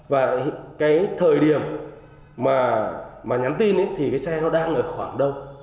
và cái thời điểm mà nhắn tin thì cái xe nó đang ở khoảng đâu